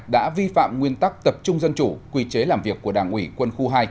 đã vi phạm nguyên tắc tập trung dân chủ quy chế làm việc của đảng ủy quân khu hai